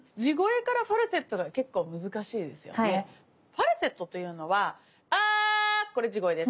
ファルセットというのはアこれ地声です。